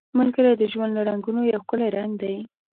ملګری د ژوند له رنګونو یو ښکلی رنګ دی